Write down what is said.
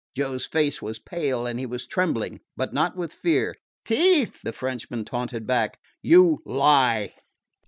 Joe's face was pale, and he was trembling but not with fear. "T'ief!" the Frenchman taunted back. "You lie!"